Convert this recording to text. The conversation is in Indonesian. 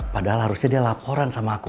padahal harusnya dia laporan sama aku